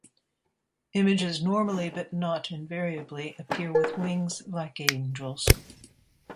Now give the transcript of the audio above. Images normally, but not invariably, appear with wings like angels.